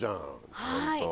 はい。